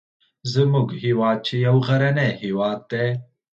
زموږ هیواد چې یو غرنی هیواد دی